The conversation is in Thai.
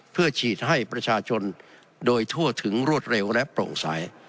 เพื่อฉีดให้ประชาชนโดยทั่วถึงรวดเร็วและโปร่งใส